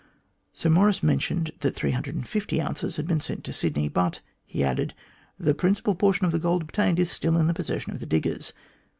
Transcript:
Sir Maurice mentioned that 350 ounces had been sent to Sydney, " but," he added, " the principal portion of the gold obtained is still in possession of the diggers."